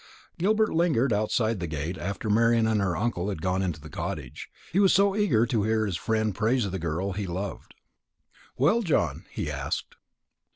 Gilbert lingered outside the gate after Marian and her uncle had gone into the cottage he was so eager to hear his friend praise the girl he loved. "Well, John?" he asked.